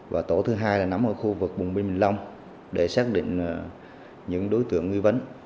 và tổ thứ hai là nắm ở khu vực bùng binh bình long để xác định những đối tượng nghi vấn